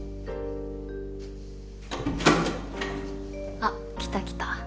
あ来た来た。